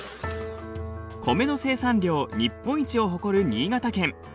米の生産量日本一を誇る新潟県。